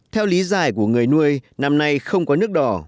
theo lý giải của người nuôi năm nay không có nước đỏ